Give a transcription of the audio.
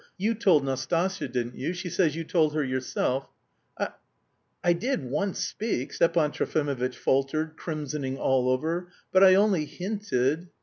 You told Nastasya, didn't you? She says you told her yourself." "I... I did once speak," Stepan Trofimovitch faltered, crimsoning all over, "but... I only hinted...